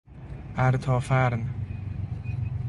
اَرتافرن